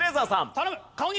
頼む！